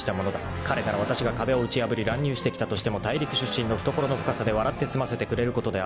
［彼ならわたしが壁を打ち破り乱入してきたとしても大陸出身の懐の深さで笑って済ませてくれることであろう］